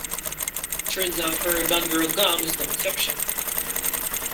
Turns out her inaugural gown was no exception.